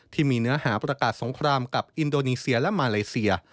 ที่มีเนื้อหาประกาศสงครามกับอินโดนีเซียและมาเลเซีย